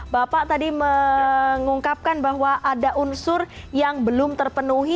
bapak tadi mengungkapkan bahwa ada unsur yang belum terpenuhi